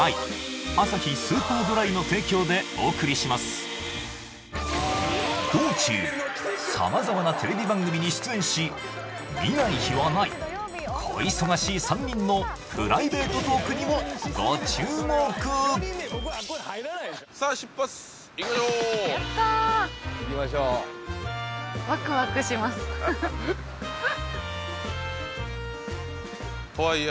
それでは道中様々なテレビ番組に出演し見ない日はないトークにもご注目さあ出発いきましょうやったいきましょうワクワクしますとはいえ